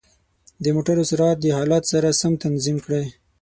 د موټرو سرعت د حالت سره سم تنظیم کړئ.